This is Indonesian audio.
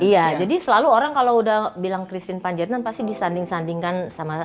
iya jadi selalu orang kalau udah bilang christine panjaitan pasti disanding sandingkan sama sama